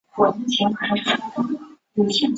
李殷衡生年不详。